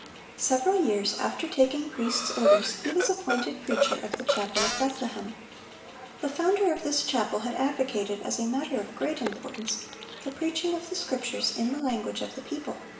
Several years after taking priest's orders he was appointed preacher of the chapel of Bethlehem. The founder of this chapel had advocated, as a matter of great importance, the preaching of the Scriptures in the language of the people.